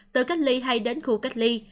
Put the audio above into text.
từ cách ly hay đến khu cách ly